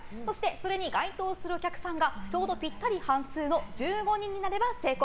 それに該当するお客さんがちょうどぴったり半数の１５人になれば成功。